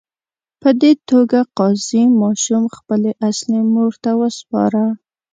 په دې توګه قاضي ماشوم خپلې اصلي مور ته وسپاره.